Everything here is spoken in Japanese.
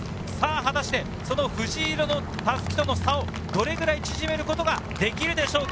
果たして藤色の襷との差をどれくらい縮めることができるでしょうか。